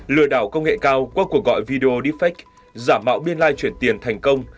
lừa đảo công nghệ cao qua cuộc gọi video defect giả mạo biên lai chuyển tiền thành công